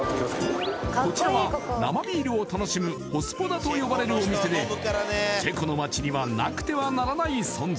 こちらは生ビールを楽しむホスポダと呼ばれるお店でチェコの街にはなくてはならない存在